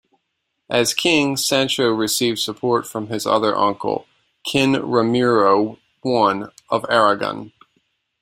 As king, Sancho received support from his other uncle, Kin Ramiro I of Aragon.